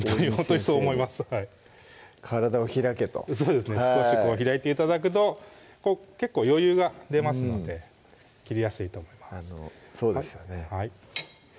もう大西先生に「体を開け」とそうですね少し開いて頂くと結構余裕が出ますので切りやすいと思いますそうですよね